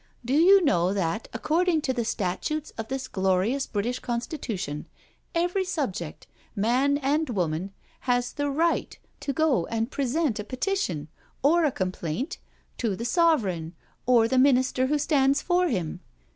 Do you know that, according to the statutes of this glorious British Constitution, every subject, man and woman, has the right to go and present a petition, or a complaint, to the Sovereign, or the minister who stands for him.